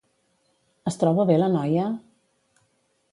Es troba bé la noia?